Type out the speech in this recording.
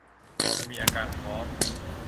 จะมีอาการพร้อม